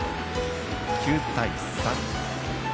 ９対３。